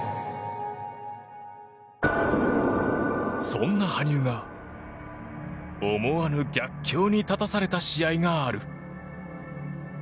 そんな羽生が思わぬ逆境に立たされた試合がある。